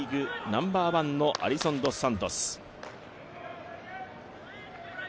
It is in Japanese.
ナンバーワンのアリソン・ドス・サントス。